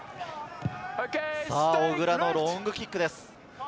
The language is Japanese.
小倉のロングキックです。